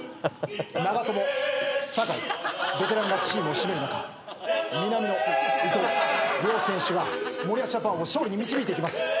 長友酒井ベテランがチームを締める中南野伊東両選手が森保ジャパンを勝利に導いていきます。